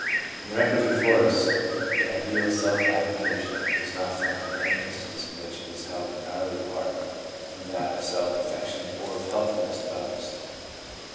In the records before us the ideal of self abnegation is not found in any instance in which it is held entirely apart from that of self perfection or of helpfulness to others.